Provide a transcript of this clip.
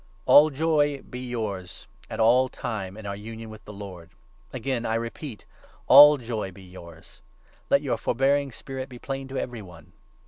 All joy be yours at all times in your union with the Lord. 4 Again I repeat — All joy be yours. Let your forbearing spirit 5 be plain to every one.